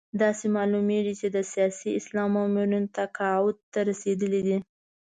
داسې معلومېږي چې د سیاسي اسلام مامورین تقاعد ته رسېدلي.